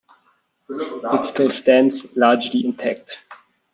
It still stands, largely intact.